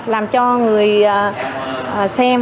làm cho người xem và người nhận thấy